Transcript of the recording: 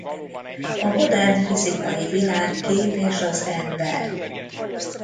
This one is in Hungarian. A modern fizikai világkép és az ember.